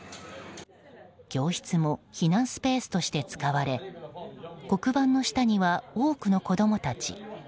教室も避難スペースとして使われ黒板の下には多くの子供たち。